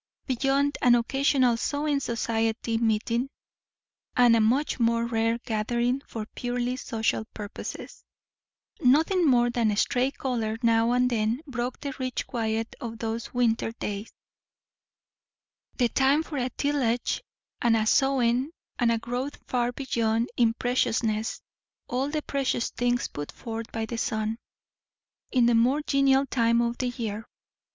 Beyond an occasional "sewing society" meeting, and a much more rare gathering for purely social purposes, nothing more than a stray caller now and then broke the rich quiet of those winter days; the time for a tillage, and a sowing, and a growth far beyond in preciousness all "the precious things put forth by the sun" in the more genial time of the year.